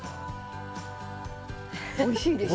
おいしいでしょ？